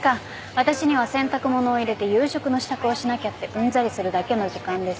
私には洗濯物を入れて夕食の支度をしなきゃってうんざりするだけの時間です。